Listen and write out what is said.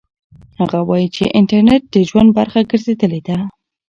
هغه وایي چې انټرنيټ د ژوند برخه ګرځېدلې ده.